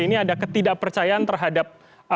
ini ada ketidakpercayaan terhadap